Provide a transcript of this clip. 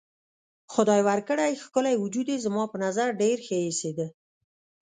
خدای ورکړی ښکلی وجود یې زما په نظر ډېر ښه ایسېده.